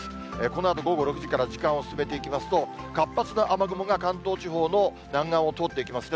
このあと午後６時から時間を進めていきますと、活発な雨雲が関東地方の南岸を通っていきます。